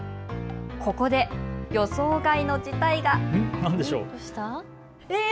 ここで予想外の事態が。